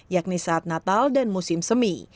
yakni saat natal dan musim semi